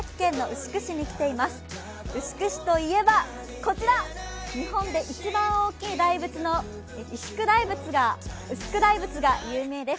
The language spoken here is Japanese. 牛久市といえばこちら、日本で一番大きい大仏の牛久大仏が有名です。